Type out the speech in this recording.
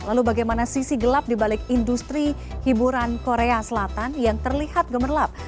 lalu bagaimana sisi gelap dibalik industri hiburan korea selatan yang terlihat gemerlap